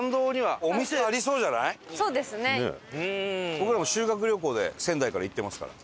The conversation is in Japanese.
僕らも修学旅行で仙台から行ってますから。